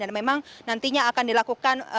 dan memang nantinya akan dilakukan